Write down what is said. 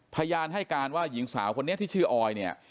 พยานให้การว่าหญิงสาวคนนี้ที่ชื่อออยเนี่ย